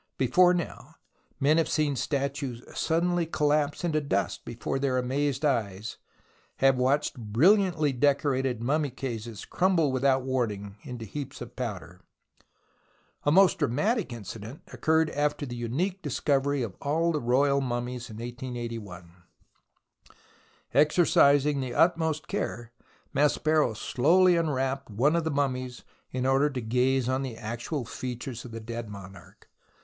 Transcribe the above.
Before now men have seen statues suddenly collapse into dust before their amazed eyes, have watched brilliantly decorated mummy cases crumble without warning into heaps of powder, A most dramatic incident occurred after the unique discovery of all the royal mummies in 1881. Exercising the utmost care, Maspero slowly un 100 THE ROMANCE OF EXCAVATION wrapped one of the mummies in order to gaze on the actual features of the dead monarch.